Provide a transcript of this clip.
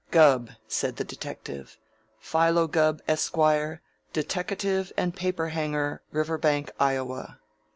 "Gubb," said the detective. "Philo Gubb, Esquire, deteckative and paper hanger, Riverbank, Iowa."